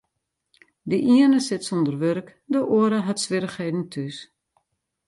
De iene sit sûnder wurk, de oare hat swierrichheden thús.